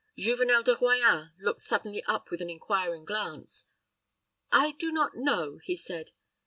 Juvenel de Royans looked suddenly up with an inquiring glance. "I do not know," he said.